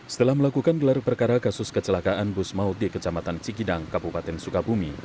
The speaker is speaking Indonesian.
setelah melakukan gelar perkara kasus kecelakaan bus maut di kecamatan cikidang kabupaten sukabumi